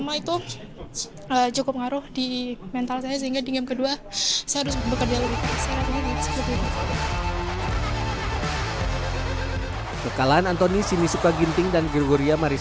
maksudnya dia lebih percaya diri